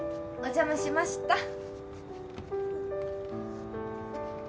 お邪魔しました。